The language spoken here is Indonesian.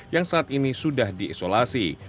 yang saat ini sudah diisolasi